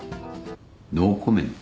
ノーコメント。